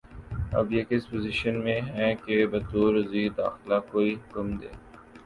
اب یہ کس پوزیشن میں ہیں کہ بطور وزیر داخلہ کوئی حکم دیں